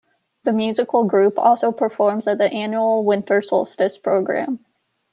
The musical group also performs at the annual Winter Solstice program.